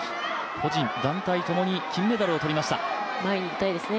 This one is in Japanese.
個人、団体ともに金メダルをとりました。